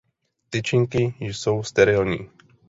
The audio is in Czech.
Tyčinky jsou sterilní.